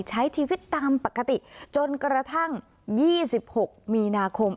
ใช้ทีวิตตามปกติจนกระทั่งยี่สิบหกมีนาคม